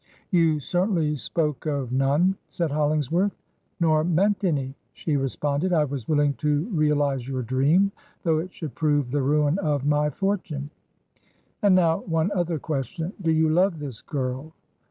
'You certainly spoke of none,' said Hollingsworth. 'Nor meant any,' she re sponded. 'I was willing to reahze your dream ... though it should prove the ruin of my fortune. ... And now, one other question. Do you love this girl?'